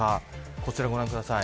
こちらをご覧ください。